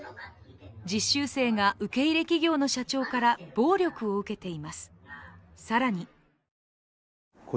実習生が受け入れ企業の社長から暴力を受けています。